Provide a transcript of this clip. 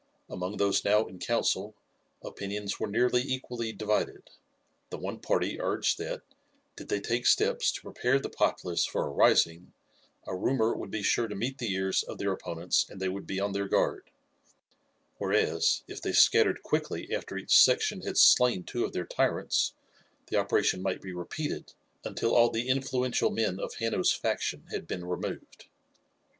Among those now in council opinions were nearly equally divided. The one party urged that, did they take steps to prepare the populace for a rising, a rumour would be sure to meet the ears of their opponents and they would be on their guard; whereas, if they scattered quickly after each section had slain two of their tyrants, the operation might be repeated until all the influential men of Hanno's faction had been removed.